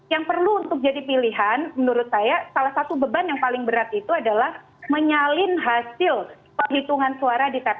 yang perlu untuk jadi pilihan menurut saya salah satu beban yang paling berat itu adalah menyalin hasil penghitungan suara di tps